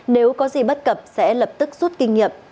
nếu có gì bất cập sẽ lập tức rút kinh nghiệm